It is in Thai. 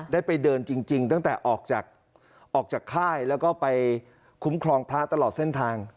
ได้ไปเดินจริงตั้งแต่ออกจากออกจากค่ายแล้วก็ไปคุ้มครองพระตลอดเส้นทาง